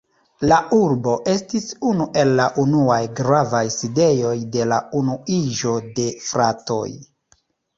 La urbo estis unu el la unuaj gravaj sidejoj de la Unuiĝo de fratoj.